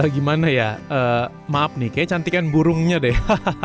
gimana ya maaf nih kayaknya cantik kan burungnya deh